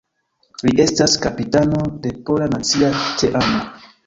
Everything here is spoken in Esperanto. Li estas kapitano de pola nacia teamo.